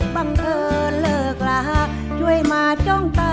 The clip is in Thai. บางเธอเลิกละช่วยมาจ้องตา